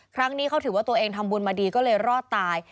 ครั้งนี้เขาถือว่าตัวเองทำบุญมาดีก็เลยรอดตาย